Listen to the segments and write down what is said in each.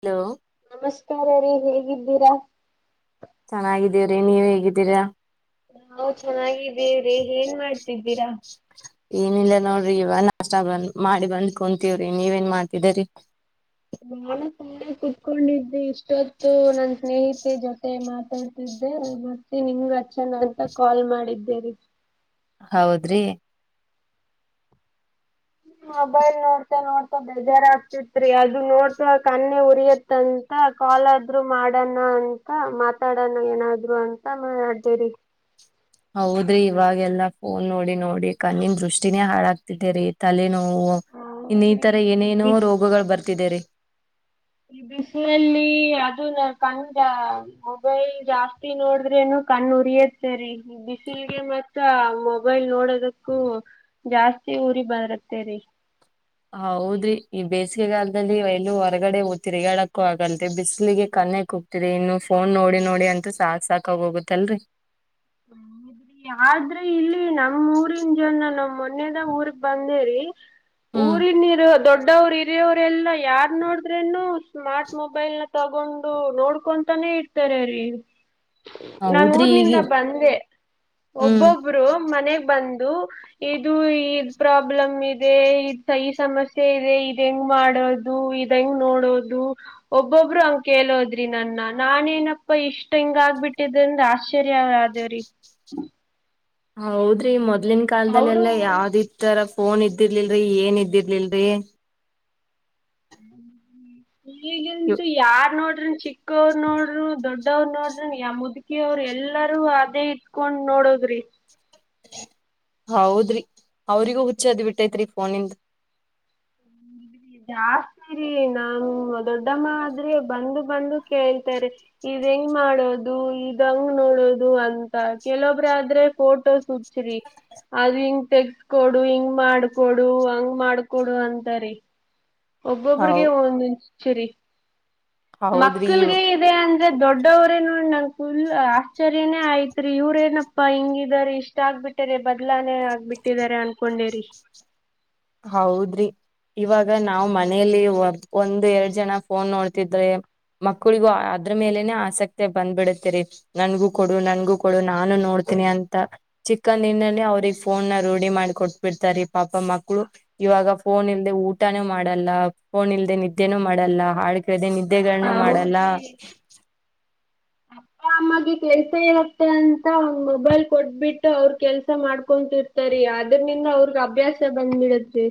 Hello ನಮಸ್ಕಾರ ರೀ ಹೇಗಿದ್ದೀರಾ ಚೆನ್ನಾಗಿದ್ದೀವ್ರಿ ನೀವ್ ಹೇಗಿದ್ದೀರಾ ನಾವು ಚೆನ್ನಾಗಿದ್ದೀವ್ರಿ [unintelligible] ಏನಿಲ್ಲ ನೋಡ್ರಿ ಇವ ನಾಷ್ಟ ಬಂದ್ ಮಾಡಿ ಬಂದ್ಕೊಂತೀವ್ರಿ ನೀವೇನ್ ಮಾಡ್ತಿದರಿ ನಾನು ಸುಮ್ನೆ ಕುತ್ಕೊಂಡಿದ್ದೆ ಇಷ್ಟೊತ್ತು ನನ್ ಸ್ನೇಹಿತೆ ಜೊತೆ ಮಾತಾಡ್ತಿದ್ದೆ ಮತ್ತೆ ನಿನ್ ಹಚ್ಚನ ಅಂತ ಕಾಲ್ ಮಾಡಿದ್ದೇ ರೀ ಹೌದ್ರಿ ಮೊಬೈಲ್ ನೋಡ್ತಾ ನೋಡ್ತಾ ಬೇಜಾರ್ ಆಗ್ತಿತ್ರಿ ಅದು ನೋಡ್ತಾ ಕಣ್ಣು ಉರಿಯತ ಅಂತ ಕಾಲಾದ್ರು ಮಾಡಣ ಅಂತ ಮಾತಾಡಣ ಏನಾದ್ರು ಅಂತ ಮಾಡ್ದೆ ರೀ ಹೌದ್ರಿ ಇವಾಗೆಲ್ಲಾ ಫೋನ್ ನೋಡಿ ನೋಡಿ ಕಣ್ಣಿನ್ ದೃಷ್ಟಿನೇ ಹಾಳಾಗ್ತಿದ್ದೇ ರೀ ತಲೆ ಇನ್ನು ಈ ಹೌದ್ರಿ ತರ ಏನೇನೋ ಬಿಸ್ ರೋಗಗಳು ಬರ್ತಿದೇ ರೀ ಈ ಬಿಸಿನಲ್ಲಿ ಅದು ಕಂಡ ಮೊಬೈಲ್ ಜಾಸ್ತಿ ನೋಡ್ರೇನು ಕಣ್ಣು ಉರಿಯತ್ತೆ ರೀ [inaudible] ಬಿಸಿಲಿಗೆ ಮತ್ತ್ ಮೊಬೈಲ್ ನೋಡೋದಕ್ಕೂ ಜಾಸ್ತಿ ಜತಿ ಊರಿ ಬರುತ್ತೇರಿ ಹೌದ್ರಿ ಈ ಬೇಸಿಗೆಗಾಲದಲ್ಲಿ ಎಲ್ಲೂ ಹೊರಗಡೆ ತಿರುಗಾಡಕ್ಕೂ ಆಗಲ್ದೆ ಬಿಸಲಿಗೆ ಕ ಮನ್ನ ಕುಗ್ತಿರಿ ಇನ್ನು ಫೋನ್ ನೋಡಿ ನೋಡಿ ಅಂತೂ ಸಾಕಕ್ ಸಾಕಾಗ ಹೋಗುತ್ತಲ್ರರಿ ಹದಿ ಆದ್ರೆ ಇಲ್ಲಿ ನಮ ಊರಿನ್ ಜನ ನಮ ಮೊನ್ನೆದ ಊರ್ಗ್ ಬಂದೇರಿ ಊರಿನ ನೀರು ದೊಡ್ಡ ಡವರು ಇರಿವರೆಲ್ಲ ಯಾರ್ ನೋಡಿದ್ರೇನು ಸ್ಮಾರ್ಟ್ ಮೊಬೈಲ್ ನ ತಗೊಂಡು ನೋಡ್ಕೊಂತಾನೆ ಇಡ್ತಾರ ರೀ ನಾನ್ ಹೌದ್ರಿ ಹೇಗಿ ಊರ್ನಿಂದ ಒಬ್ಬೊಬ್ರು ಮನೆಗ್ ಪ್ರಾಬ್ಲಮ್ ಇದೆ ಸಮ್ಯೆ ಇದೆ ಹೆ ಮಾಡೋದು ಇದಂಗ ನೋಡೋದು ಒಬ್ಬೊಬ್ರು ಹಂಗ ಕೇಳೋದ್ರಿ ನನ್ನ ನಾನೇನಪ್ಪ ಇಷ್ಟ್ ಹಿಂಗ ಆಗ್ಬಿಟ್ಟಿದ ಅಂದ ಆಶ್ಚರ್ಯೇವ್ರೀ ಹೌದ್ರಿ ಮೊದ್ಲಿನ ಅವರು ಕಾಲಲ್ದಲ್ಲೆಲ್ಲಾ ಯಾವ್ದಿ ತರ ಫೋನ್ ಇದ್ದಿರ್ಲಿಲ್ರಿ ಏನ್ ಇದ್ದಿರ್ಲಿಲ್ರರಿ ಇವ್ ಈಗಂತು ಯಾರ್ ನೋಡಿ ಚಿಕ್ಕವರು ನೋಡ್ರರು ದೊಡ್ಡವ್ರು ನೋಡ್ರ ಯ ಮುದುಕಿ ಅವರು ಎಲ್ಲಾರೂ ಅದೇ ಇಟ್ಕೊಂಡ್ ನೋಡ ನೋಡೋದ್ರಿ ಹೌದ್ರಿ ಅವ್ರಿಗೂ ಹುಚ್ಚದ್ ಬಿಟ್ಟೈತ್ರಿ ಫೋನಿಂದ ಜಾಸ್ತಿ ರೀ ನಮ ದೊಡ್ಡಮ್ಮ ಆದ್ರೆ ಬಂದು ಬಂದು ಕೇಳ್ತಾರೆ ಇ ಹೆಂಗ್ ಮಾಡೋದು ಇದ್ಂಗ್ ನೋಡೋದು ಅಂತ ಕೆಲೊಬ್ರ ಆದ್ರೆ ಫೋಟೋಸ್ ಹಚ್ಚ್ರಿ ಅದು ಹಿಂಗ್ ತೆಗಕೊಡು ಹಿಂಗ್ ಮಾಡಕೊಡು ಹಂಗ್ ಮಾಡ್ಕೊಡು ಅಂತರಿ ಹೌ ಒಬ್ಬೊಬ್ಬ್ರರಿಗೆ ಒಂದು ಸರಿ ಹೌದ್ರಿ ಇವ್ ಮಕ್ಕಲ್ಗೆ ಇದೆ ಅಂದ್ರೆ ದೊಡ್ಡವ್ರೇನು ನ ಫುಲ್ ಆಶ್ಚರ್ಯನೇ ಆಯತ್ರಿ ಇವ್ರೇಏನಪ್ಪಾ ಹಿಂಗಿದಾರೆ ಇಷ್ಟ ಆಗ್ಬಿಟ್ಟ ರ ಬದ್ಲಾನೆ ಆಗ್ ಬಿಟ್ಟಿದಿದ್ದಾರೆ ಅನ್ಕೊಂಡೇರಿ ಹೌದ್ರಿ ಇವಾಗ ನಾವ್ ಮನೇಲಿ ಒಂದ್ ಎರಡ್ ಜನ ಫೋನ್ ನೋಡ್ತಿದ್ರೆ ಮಕ್ಕಳಿಗೂ ಅದ್ರ ಮೇಲೆನೆ ಆಸಕ್ತಿ ಬಂದ್ಬಿಡತರಿ ನನ್ಗೂ ಕೊಡು ನನ್ಗೂ ಕೊಡು ನಾನು ನೋಡ್ ಅಂತ ಚಿಕ್ಕಂದ ದಿನಲ್ಲಿ ಅವ್ರಗ್ ಫೋನ್ ನ ರೂಢಿ ಮಾಡಿ ಕೊಟ್ ಬಿಿಡ್ತಾರೆ ಪಾಪ ಮಕ್ಕ ಮಕ್ಕಳು ಇವಾಗ ಫೋನ್ ಇಲ್ಲದೆ ಊಟಾನೂ ಮಾಡಲ್ಲ ಫೋನ್ ಇಲ್ಲದೆ ನಿದ್ದೆನೂ ಮಾಡಲ್ಲ ಹಾಡು ಕೇಳದೆ ನ್ದೆಗಳನ್ನು ಮಾಡಲ್ಲ ಹ ಅಮ್ಮಗೆ ಕೆಲ್ಸ ಇರುತ್ತೆ ಅಂತ ಒಂದ್ ಮೊಬೈಲ್ ಕೊಟ್ಬಿಟ್ಟು ಅವರು ಕೆಲ್ಸ ಮಾಡ್ಕೊಂತಿರ್ತಾರ ಅದ್ರಿಂದ ಅವ್ರಗ್ ಅಭ್ಯಾಸ ಬಂದ್ಬಿಡುತ್ತೆ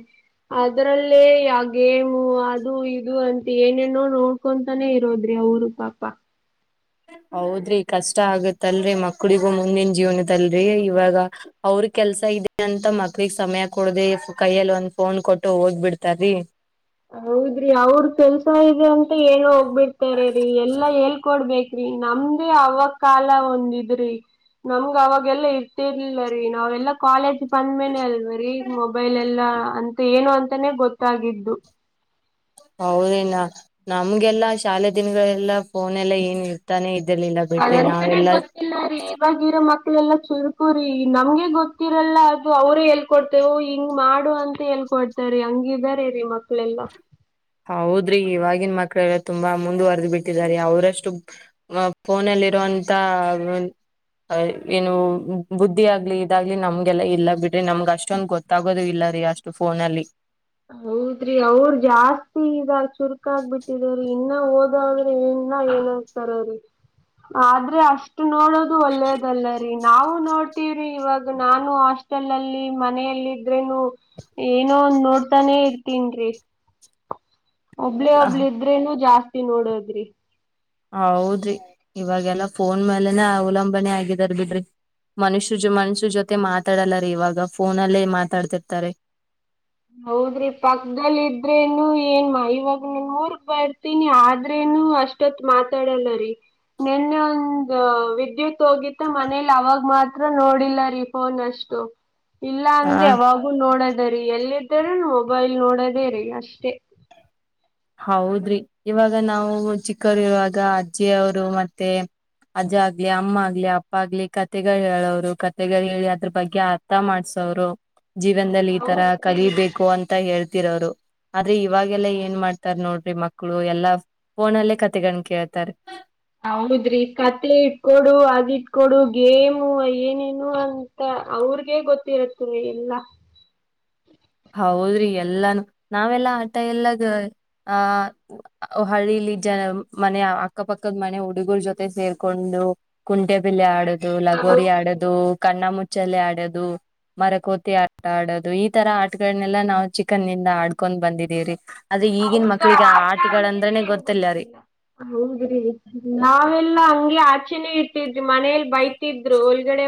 ಅದ್ರಲ್ಲೇ ಯ ಗೇಮು ಅದು ಇದು ಅಂತ ಏನೇನೋ ನೋಡ್ಕೊಂತಾನೇ ಇರೋದ್ರಿ ಊರು ಪಾಪಾ ಹೌದ್ರಿ ಕಷ್ಟ ಆಗತ್ತಲ್ರರಿ ಮಕ್ಳಿಗೂ ಮುಂದಿನ ಜೀವನದಲ್ರರಿ ಇವಾಗದ ಕೆಲ್ಸ ಇದೆ ಅಂತ ಮಕ್ಳಗ್ ಸಮಯ ಕೊಡದೆ ಕೈಯಲ್ಲಿ ಒಂದ್ ಫೋನ್ ಕೊಟ್ಟು ಹೋಗ್ ಬಿಡ್ತಾರಿ ಹೌದ್ರಿ ಅವ್ರ ಕೆಲ್ಸ ಇದೆ ಅಂತ ಹೇಳ ಹೋಗ್ಬಿಡ್ತಾರ ರರಿ ಎಲ್ಲಾ ಎಲ್ ಕೊಡ್ಬೇಕ್ರಿ ನಮ್ದೇ ಅವ ಕಾಲ ಒಂದಿದ್ರಿ ನಮ್ಗ ಅವಾಗೆಲ್ಲಾ ಇರ್ತಿರ್ಲಿಲ್ಲ ರೀ ನಾವೆಲ್ಲಾ ಕಾಲೇಜ್ ಬಂದ್ಮೇನೆ ಅಲ್ವರಿ ಮೊಬೈಲ್ ಎಲ್ಲಾ ಅಂತ ಏನು ಅಂತಾನೇ ಗೊತ್ತಾಗಿದ್ದು ಹೌದಲ್ಲ ನಮ್ಗೆಲ್ಲಾ ಶಾಲೆ ದಿನಗಳೆಲ್ಲಾ ಫೋನ್ ಎಲ್ಲ ಏನ್ ಇರ್ತಾನೆ ಇದರ್ಲಿಲ್ಲ ಬಿಟ್ರಿ ನಾವೆಲ್ಲ ಚುರುಕುರಿ ನಮ್ಗೆ ಗೊತ್ತಿರಲ್ಲ ಅದು ಅವರೇ ಹೇಳ್ಕೊಡ್ತೇವು ಹಿಂಗ್ ಮಾಡು ಅಂತ ಹ ಕೊಡ್ತ ರೀ ಹಂಗಿದಾರ ರೀ ಮಕ್ಳೆಲ್ಲಾ ಹೌದ್ರಿ ಇವಾಗಿನ ಮಕ್ಳ ತುಂಬಾ ಮುಂದುವರೆದ ಬಿಟ್ಟಿದ್ದಾರೆ ಅವರಷ್ಟು ಫೋನಲ್ಲಿ ಇರುವೋಂತ ಏನು ಬುದ್ಧಿ ಆಗ್ಲಿ ಇದಾಗ್ಲಿ ನಮ್ಗೆಲ್ಲಾ ಇಲ್ಲ ಬಿಟ್ಟ ರೀ ನಮ್ಗ್ ಅಷ್ಟೊಂದ ಗೊತ್ತಾಗೋದು ಇಲ್ಲ ರೀ ಅಷ್ಟು ಫೋನ ಅಲ್ಲಿ ಹೌದ್ರಿ ಅವ್ರ ಜಾಸ್ತಿ ಇದಾಗ ಚುರ್ಕ ಆಗ್ ಬಿಟ್ಟಿದ್ರೀ ಇನ್ನ ಹೋದ್ರೆ ಏ, ಏನ್ತಾರೀ ಆದ್ರೆ ಅಷ್ಟು ನೋಡೋದು ಒಳ್ಳೇದಲ್ಲ ರೀ. ನಾವು ನೋಡ್ತೀವ್ರಿ ಇವಾಗ ನಾನು ಹಾಸ್ಟೆಲ್ ಅಲ್ಲಿ ಮನಲ್ಲ ಇದ್ರೇನು ಏನೋ ಒಂದ್ ನೋಡ್ತಾನೆ ಇರ್ತಿನಿರಿ. ಒಬ್ಳೇ ಒಬ್ಳ ಇದ್ರೇನು ಜಾಸ್ತಿ ನೋಡದ್ರಿ. ಹೌದ್ರಿ ಇವಾಗೆಲ್ಲಾ ಫೋನ್ ಮೇಲೆನೆ ಅವಲಂಬನೆ ಆಗಿದಾರ ಬಿಡ್ರಿ. ಮನುಷ್ಯ ಜ್ ಮನುಷ್ಯ ಜೊತೆ ಮಾತಾಡಲ್ಲ ರ ಇವಾಗ ಫೋನಲ್ಲೇ ಮಾತಾಡ್ತಿರ್ತಾರೆ. ಹೌದ್ರಿ ಪಕ್ಕದಲ್ ಇದ್ರೇನು ಏನ್ ಇವಾಗ ನನ್ ಮೂರ್ಗ್ ಬರ್ತೀನಿ ಆದ್ರೇನು. ನಾನು ಅಷ್ಟೊತ್ ಮಾತಾಡಲ್ಲ ರೀ. ನಿನ್ನೆ ಒಂದ ವಿದ್ಯುತ್ ಹೋಗಿತ್ತ ಮನೇಲಿ ಅವಾಗ ಮಾತ್ರ ನೋಡಿಲ್ಲ ರೀ ಫೋನ್ ಅಷ್ಟೆ. ಇಲ್ಲ ಆ ಅಂದ್ರೆ ಅವಾಗೂ ನೋಡೋದ ರೀ ಎಲ್ಲಿ. ತರ ಮೊಬೈಲ್ ನೋಡದೇ- ರೀ -ಅಷ್ಟೇ. ಹೌದ್ರಿ ಇವಾಗ ನಾವು ಚಿಕ್ಕವರು ಇರುವಾಗ ಅಜ್ಜಿಯವರು ಮತ್ತೆ. ಅಜ್ಜ ಆಗ್ಲಿ ಅಮ್ಮ ಆಗ್ಲಿ ಅಪ್ಪ ಆಗ್ಲಿ ಕತೆಗಳು ಹೇಳವ್ರು ಕತೆಗಳು ಹೇಳಿ ಅದ್ರ ಬಗ್ಗೆ ಅರ್ಥ ಮಾಡ್ಸ. [inaudible] ಜೀವನದಲ್ಲಿ ಈ ತರ ಹೌದ್ರಿ ಕಲಿಬೇಕು ಅಂತ ಹೇಳ್ತಿರೋರು ಆದ್ರೆ ಇವಾಗೆಲ್ಲ ಏನ್ ಮಾಡ ರ್ -ನೋಡ್ರಿ ಮಕ್ಕಳು ಎಲ್ಲಾ ಫೋನಲ್ಲೇ ಕತೆಗಂಡ ಕೇಳ್ತಾರ. ಹೌದ್ರಿ ಕತೆ ಇಟ್ಕೊಡು ಅದ್ ಇಟ್ಕೊಡು ಗೇಮು ಏನೇನು ಅಂತ. ಅವ್ರಗ ಗೊತ್ತಿರುತ್ತೆ ಎಲ್ಲಾ ಹೌದ್ರಿ ಎಲ್ಲಾನು ನಾವೆಲ್ಲಾ ಆಟ ಎಲ್ಲದ ಆಹ ಹಳ್ಳಿ. ಇ -ಜನ ಮನೆ ಅಕ್ಕಪಕ್ಕದ ಮನೆ ಹುಡುಗರ ಜೊತೆ ಸೇರ್ಕೊಂಡು ಕುಂಟೆ ಬಿಲ್ಲೆ ಆಡುತ್ತ. ಲಗೋರಿ ಆಡೋದು ಕಣ್ಣ ಮುಚ್ಚ. ಚಲೆ ಆಡೋದು ಮರಕೋತಿ ಆಟ ಆಡೋದು ಈ ತರ ಆ ಗಳನೆಲ್ಲ ನಾವವು ಚಿಕನ್ಂದ ಆಡ್ಕೊಂಡ್ ಬಂದಿದೀವರಿ ಟಂದ ಗೊ ಗೊತ್ತಿಲ್ಲ ರೀ [unintelligible] ಲ್ಲ ನೆ ಹಂಗಗೆ ಆಚೆನೆ [unintelligible] ಮನೇಲಿ ಬೈತಿದ್ರು ಒಳಗಡೆ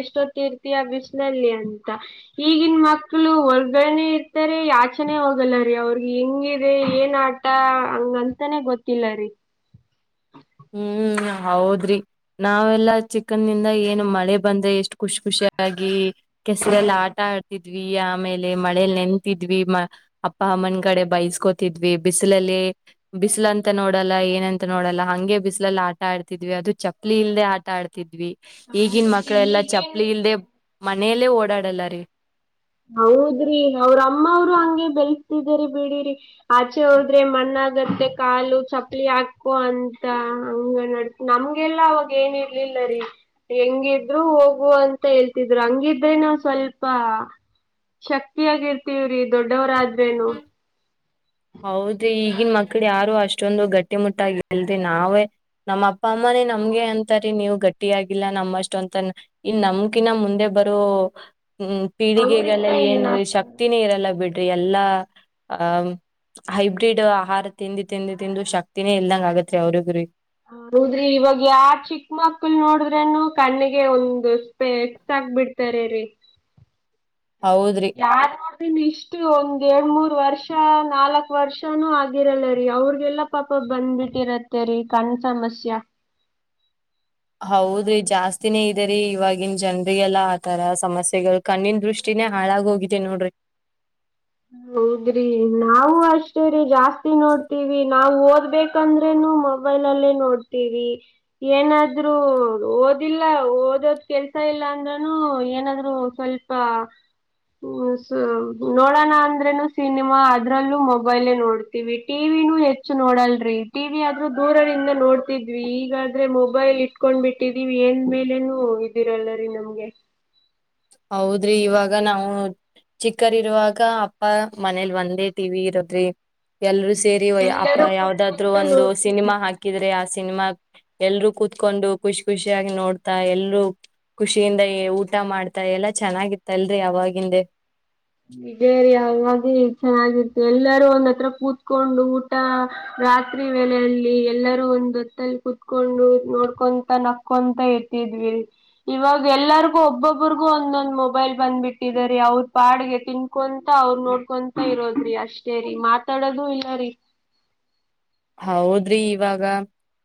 ಎಷ್ಟೊತ್ತೀರ್ತಿ- ಆ- ಬಿಸನಲ್ಲಿ ಅಂತ ಈಗಿನ ಮಕ್ಕಳು ಹೊರ್ಗನೆ ಇರ್ತಾರೆ. ಯಾಚನೆ ಹೋಗಲ್ಲ ರೀ ಅವ್ರಿಗೆ ಹೆಂಗಿದೆ ಏನ್ ಆಟ ಹಂಗಂತಾನೇ ಗೊತ್ತಿಲ್ಲರಿ. ಹ್ಮ್- ಹೌದ್ರಿ ನಾವೆಲ್ಲಾ [unintelligible] ನಮಳೆ ಬಂದ್ರೆ ಎಷ್ಟ್ ಖುಷ್ ಖುಷಿ. ಕೆಸರಲ್ಲಿ ಆಟ ಆಡ್ತಿದ್ವಿ ಆಮೇಲೆ ಮಳೆಯಲ್ಲಿ ನೆಂತಿದ್ವಿ -ಅ- ಮನ್ ಕಡೆ ಬೈಸ್ಕೋತಿದ್ವಿ ಬಿಸಿಲಲ್ಲಿ ಬಿಸಲು ಅಂತ ನೋಡಲ್ಲ ಏನಂತ ನೋಡಲ್ಲ ಹಂಗೆ. ಬಿಸ್ಲಲ್ಲಿ ಆಟ ಆಡ್ತಿದ್ವಿ ಅದು ಚಪ್ಪಲಿ ಇಲ್ಲೇ ಆಟ ಆಡ್ತಿದ್ವಿ. ಈಗನ್ ಹೌದ್ರಿ ಮಕ್ಳೆಲ್ಲಾ ಈಗಿನ್ ಚಪ್ಪಲಿ ಇಲ್ದೆ ಮನೆಯಲ್ಲೇ ಓಡಾಡಲ್ಲಾರಿ. ಹೌದ್ರಿ ಅವ್ರ ಅಮ್ಮ ಅವರು ಹಂಗೆ ಬೆಳಸ್ತಿದರಿ ಬಿಡಿರಿ ಆಚೆ ಹೋದ್ರೆ ಮಣ್ಣ. ಗತ್ತೆ ಕಾಲು ಚಪ್ಪಲಿ ಹಾಕೋ ಅಂತ ಹಂಗ ನಡ ನಮ್ಗೆಲ್ಲ ಅವಾಗ ಏನ -ಇ- ಇಲ್ಲ ರರಿ ಹೆಂಗಿದ್ರು ಹೋಗುವ ಅಂತ ಹೇಳ್ತಿದ್ರು ಹಂಗಿದ್ರೆ ನ ಸ್ವಲ್ಪ. ಶಕ್ತಿಯಗರ್ತವ್ರಿ ದೊಡ್ಡವರಾದ್ರೇನು. ಹೌದ ಈಗನ್ ಮಕ್ಳ ಯಾರು ಅಷ್ಟೊಂದು ಗಟ್ಟಿ ಮುಟ್ಟಾಗಿ ಇಲ್ದ ನಾವೇ ನಮ್ಮ ಅಪ್ಪ ಅಮ್ಮ. ಮೆ- ನಮ್ಗೆ ಅಂತಾರೀ ನೀವು್ ಗಟ್ಟಿಯಾಗಿಲ್ಲ ನಮ್ಮ ಅಷ್ಟೊ ಅಂತ ಇನ್ ನಮ್ಕಿನ ಮುಂದೆ ಬರೋ, ಹ್ಮ್- ಪೀಳಿಗೆಗೆಲ್ಲ ಅವ್ರಿಂದ ಏನ್ ಏನಾಗ್ತದೆ ಶಕ್ತಿನೇ ಇರಲ್ಲ ಬಿಡ್ರಿ ಎಲ್ಲಾ- ಆ- ಹೈಬ್ರಿಡ್ ಆಹಾರ ತಿಂದಿ ತಿಂದಿ ತಿಂದು ಶಕ್ತಿನೇ ಇಲ್ದಂಗ ಆಗತ್ರಿ ಅವ್ರಿಗ್ರಿಗೆ. ಹ -ಹೋದ್ರಿ ಇವಾಗ ಯ ಚಿಕ್ಕ ಮಕ್ಳ ನೋಡಿದ್ರೇನು ಕಣ್ಣಿಗೆ ಒಂದು ಸ್ಪೇ ಹಕ್ ಬಿಡ್ತಾರ- ರೀ ಹೌದ್ರಿ ಯಾರಾದ್ರೂನು ಇಷ್ಟು ಒಂದ್ ಎರಡ್ ಮೂರ್, ವರ್ಷ ನಾಲ್ಕು ವರ್ಷನುೂ ಆಗಿರಲ್ಲ- ರೀ ಅವ್ರಗೆಲ್ಲ ಪಾಪ ಬಂದ್ಬಿಟ್ಟಿರತ್ತೆ -ರಿ ಕಣ ಸಮಸ್ಯ ಹೌದ್ರಿ ಜಾಸ್ತಿನೇ ಇದದೆರಿ ಇವಾಗಿನ್ ಜನ್ರಿಗೆಲ್ಲಾ ಆತರ ಸಮಸ್ಯೆಗಳು ಕಣ್ಣಿನ ದೃಷ್ಟಿ. ಇನ ಹಾಳಾಗ ಹೋಗಿದ್ದಿದೆ ನೋಡ್ರಿ. ಹ್ಮ ನಾವು ಅಷ್ಟೇ ರೀ ಜಾಸ್ತಿ ನೋಡ್ತೀವಿ ನಾವು ಓದ್ಬೇಕಂದ್ರೇನು ಮೊಬೈಲ್ ನೋಡ್ತವಿ ಏನಾದ್ರು ಓದಿಲ್ಲ ಓದೋದ ಕೆಲ್ಸ ಇಲ್ಲ ಅಂದ ಏನಾದ್ರು ಸ್ವಲ್ಪ ನೋಡೋಣ ಅಂದ್ರೆ ಸಿನಿಮಾ ಅದ್ರಲ್ಲೂ ಮೊಬೈಲ ನೋಡ್ತೀವಿ ಟಿವಿನೂ ಹೆಚ್ಚು ನೋಡಲ್ರಿ ಟಿವಿ ಅ್ರೂ ದೂರದಿಂದ ನೋಡ್ತಿದ್ವಿ ಈಗಾದ್ರೆ ಮೊಬೈಲ್ ಇಟ್ಕೊಂಡ್ ಬಿಟ್ಟಿದೀವಿ ಏನ್ ಮೇಲೆನುೂ ಇದಿರಲ್ಲ [inaudible] ಹೌದ್ರಿ ಇವಾಗ ನಾವು ಚಿಕ್ಕರ್ ಇರುವಾಗ ಅಪ್ಪ ಮನೇಲಿ ಒಂದೇ ಟಿವಿ ಇರೋದ್ರಿ ಎಲ್ರ ಸೇರಿಯ ಅಪ್ಪ ಎಲ್ಲರೂ ಯಾವದಾದ್ರು ಕುತ್ಕೊಂತ ಒಂದು ನೋಡ್ತಿದ್ವಿ. ಸಿನಿಮಾ ಹಾಕಿದ್ರೆ ಆಸ ಸಿನಿಮಾ ಎಲ್ರುೂ ಕೂತ್ಕೊಂಡು ಖುಷಿ ಖುಷಿಯಾಗಿ ನೋಡ್ತಾ ಎಲ್ರು ಖುಷಿಯಿಂದ ಊಟ ಮಾಡ್ತಾ ಎಲ್ಲಾ ಚೆನ್ನಾಗಿತ್ತಲ್ರರಿ ಅವಾಗಿಂದೆ ಇದೇ ರೀ ಹಾಗಾಗಿ ಚೆನ್ನಾಗಿತ್ತು ಎಲ್ಲಾರೂ ಒಂದ್ ಹತ್ರ ಕೂತ್ಕೊಂಡು ಊಟ ರಾತ್ರಿ ವೇಳೆಯಲಿ ಎಲ್ಲರೂ ಒಂದು ಹೊತ್ತಲ್ಲಿ ಕುೂತ್ಕೊಂಡು ನೋಡ್ಕೊಂತ ನಕೊಂತ ಇರ್ತಿ ಇವಾಗ ಎಲ್ಲರಿಗೂ ಒಬ್ಬೊಬ್ಬ್ರಗೂ ಒಂದೊಂದ್ ಮೊಬೈಲ್ ಬಂದ್ಬಿಟ್ಟಿದ ರ ಅವ್ರ ಪಾಡ್ಗೆ ತಿನ್ಕೊಂತ ಅವ್ರರು ನೋಡ್ಕೊಂತ ಇರೋದ್ರಿ ಅಷ್ಟೇ ರರಿ ಮಾತಾಡದು ಇಲ್ಲ ರೀ [inaudible] ಹೌದ್ರಿ ಇವಾಗ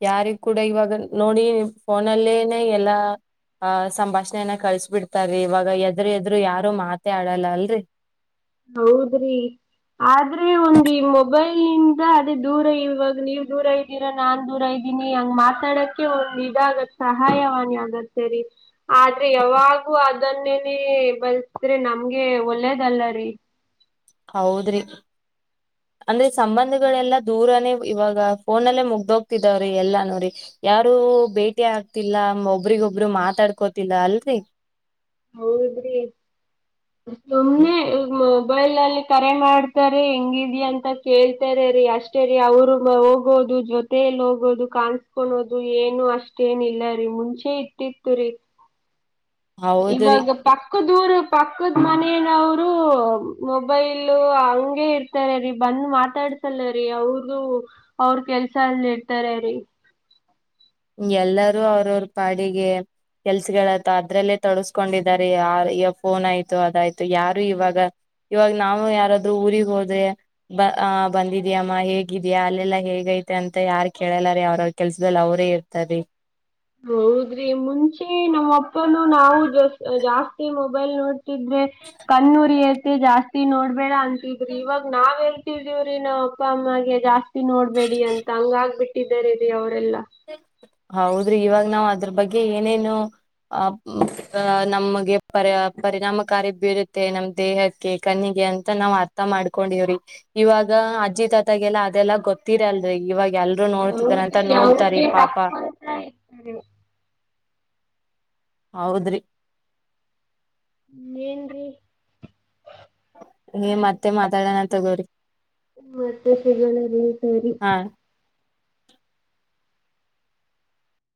ಯಾರಿಗ ಕೂಡ ಇವಾಗ ನೋಡಿ ಫೋನಲ್ಲೇನೆ ಎಲ್ಲಾ ಅಹ ಸಂಭಾಷಣೆೆಯನ ಕಳ್ಸ್ ಬಿಿಡ್ತಾರೀ ಇವಾಗ ಎದರು ಎದರು ಯಾರು ಮಾತ ಆಡಲ್ಲ ಅಲ್ರರಿ ಹೌದ್ರಿ ಆದ್ರೆ ಒಂದು ಈ ಮೊಬೈಲ್ಂದ ಅದೇ ದೂರ ಇವಾಗ ನೀವ್ ದೂರ ಇದ್ದೀರಾ ನಾನ್ ದೂರ ಇದ್ದೀರ ಹಂಗ್ ಮಾತಾಡಕ್ಕೆ ಒಂದ್ ಇದಾಗತ್ ಸಹಾಯವಾಣಿ ಆಗದ ಸೇರಿ ಆದ್ರೆ ಯಾವಾಗೂ ಅದನ್ನೇನೆೇ ಬಳಸಿದ್ರೆ ನಮ್ಗೆ ಒಳ್ಳೇದಲ್ಲ ರೀ ಹೌದ್ರಿ ಅಂದ್ರೆ ಸಂಬಂಧಗಳೆಲ್ಲಾ ದೂರನೇ ಇವಾಗ ಫೋನ್ಲ್ಲೇ ಮುಗ್ದೋಗ್ತಿದಾವ್ರಿ ಎಲ್ಲಾ ನೋಡಿರಿ ಯಾರು ಭೇಟಿ ಆಗ್ತಿಲ್ಲ ಒಬ್ರಿಗೊಬ್ರು ಮಾತಾಡ್ಕೋತಿಲ್ಲ ಅಲ್ರಿ ಹೌದದ್ರಿ ಸುಮನೆ ಮೊಬೈಲ್ ನಲ್ಲಿ ಕರೆ ಮಾಡ್ತಾರೆ ಹೆಂಗಿದ ಅಂತ ಕೇಳ್ತಾರೆ ರೀ ಅಷ್ಟೇ ರೀ ಅವರು ಹೋಗ ಜೊತೆಯಲ್ಲಿ ಹೋಗೋದು ಕಾಣಸ್ಕಳೋದು ಏನು ಅಷ್ಟೇನ್ ಇಲ್ಲ ರೀ ಮುಂಚೆ ಇಟ್ಟಿತ್ತು ರರಿ ಹೌದ್ರಿ ಇವಾಗ ಪಕ್ಕ ದೂರು ಪಕ್ಕದ ಮನೇನವರು ಮೊಬೈಲ್ ಹಂಗಗೆ ಇರ್ತಾರೀ ಬಂದು ಮಾತಾಡ್ ಸಲ್ಲ ರೀ ಅವ್ರರು ಅವ್ರ ಕೆಲ್ಸ ಅಲ್ಲಿ ಇರ್ತಾರ ರೀ ಎಲ್ಲಾರೂ ಅವ್ರವ್ರ ಪಾಡಿಗೆ ಕೆಲ್ಸಗಳತ ಅದ್ರಲ್ಲೇ ತೊಳಸ್ಕೊಂಡಿದಿದ್ದಾರೆ ಆ ಈ ಫೋನ್ ಆಯ್ತು ಅದಾಯ್ತು ಯಾರು ಇವಾಗ ಇವಾಗ ನಾವು ಯಾರಾದ್ರೂ ಊರಿಗೆ ಹೋದ್ರೆ ಅ ಬಂದಿದ್ಯಮ್ಮ ಹೇಗಿದ್ಯಾ ಅಲ್ಲೆಲ್ಲಾ ಹೇಗ ಅಂತ ಯಾರ್ ಕೇಳಲ್ಲಾರ ಅವ್ರ ಅವ್ರ ಕೆಲ್ಸದಲ್ಲಿ ಅವ್ರೇ ಇರ್ತಾರಿ ಹೌದ್ರಿ ಮುಂಚೆ ನಮ್ಮ ಅಪ್ಪನು ನಾವು ಜಾಸ್ತಿ ಮೊಬೈಲ್ ನೋಡ್ ಕಣ್ಣೂರಿ ಜಾಸ್ತಿ ನೋಡ್ಬೇಡ ಅಂತಿದ್ರಿ ಇವಾಗ ನಾವ್ ಹೇಳ್ತಿದೀವ್ರಿ ನಾ್ ಅಪ್ಪ ಅಮ್ಮಗೆ ಜಾಸ್ತಿ ನೋಡ್ಬೇಡ ಡಿ ಅಂತ ಹಂಗ ಆಗ್ ಬಿಟ್ಟಿದ್ದಾರೆ ಅವರು ಹೌದ್ರಿ ಇವಾಗ ನಾವ್ ಅದ್ರ ಬಗ್ಗೆ ಏನೇನು ಆ ನಮಗೆ ಪರಿ ಪರಿಣಾಮಕಾರಿ ಬೀರುತ್ತೆ ನಮ್ ದೇಹಕ್ಕೆ ಕನಿ ಅಂತ ನಾವ್ ಅರ್ಥ ಮಾಡ್ಕೊಂಡಿವ್ರಿ ಇವಾಗ ಅಜ್ಜಿ ತಾತಗೆೆಲ್ಲ ಅದೆಲ್ಲಾ ಗೊತ್ತಿರಲ್ರಿ ಇವಾಗ ಎಲ್ರುೂ ನೋಡ್ತಿದಾರ ಅಂತ ಹೌದ್ರಿ ನೋ [unintelligible] ಹೌದ್ರಿ ಏನ್ರಿ ಮತ್ತೆ ಮಾತಾಡೋಣ ತಕೋರಿ ಮತ್ತೆ ಸಿಗೋಣ ಸರಿ ಹಾ